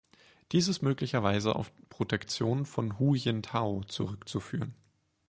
Dies ist möglicherweise auf Protektion von Hu Jintao zurückzuführen.